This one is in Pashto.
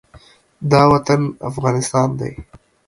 دا وطن افغانستان دی.